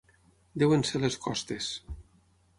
Deuen ser les costes.